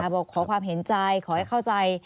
บอกขอความเห็นใจขอให้เข้าใจ